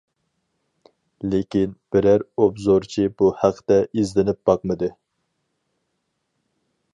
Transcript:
لېكىن، بىرەر ئوبزورچى بۇ ھەقتە ئىزدىنىپ باقمىدى.